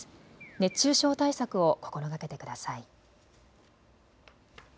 熱中症対策を心がけてください。